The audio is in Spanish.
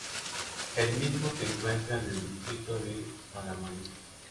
El mismo se encuentra en el distrito de Paramaribo.